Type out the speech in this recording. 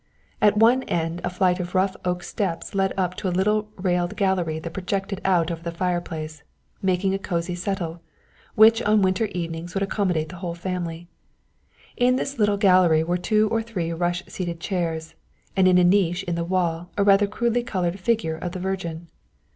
At one end a flight of rough oak steps led up to a little railed gallery that projected out over the fire place, making a cosy settle, which on winter evenings would accommodate the whole family. In this little gallery were two or three rush seated chairs, and in a niche in the wall a rather crudely coloured figure of the Virgin.